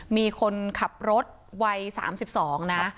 มีคนขับรถวัย๓๒นะ